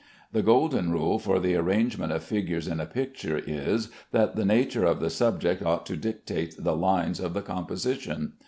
The golden rule for the arrangement of figures in a picture, is that the nature of the subject ought to dictate the lines of the composition.